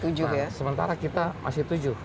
sementara kita masih tujuh